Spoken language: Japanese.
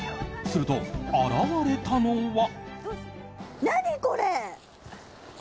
すると、現れたのは。